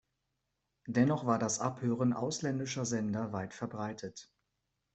Dennoch war das Abhören ausländischer Sender weit verbreitet.